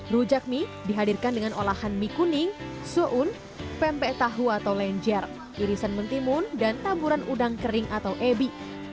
rujak mie dihadirkan dengan olahan mie kuning soun pempek tahu atau lenjer irisan mentimun dan taburan udang kering atau ebi